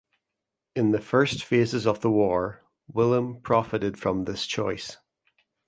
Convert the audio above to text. In the first phases of the war Willem profited from this choice.